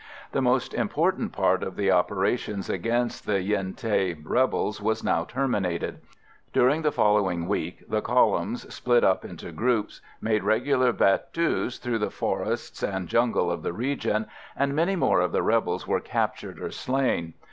The most important part of the operations against the Yen Thé rebels was now terminated. During the following week the columns, split up into groups, made regular battues through the forests and jungle of the region, and many more of the rebels were captured or slain.